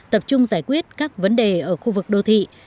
tập trung giải quyết các vấn đề ở khu vực đô thị